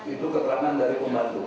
itu keterangan dari pembantu